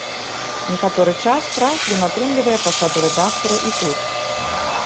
Некаторы час праз ён атрымлівае пасаду рэдактара і тут.